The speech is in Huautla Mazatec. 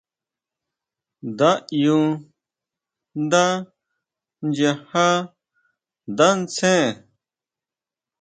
Nda ʼyú ndá nyajá ndá ntsén.